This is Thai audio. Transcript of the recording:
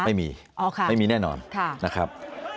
ไม่มีไม่มีแน่นอนนะครับ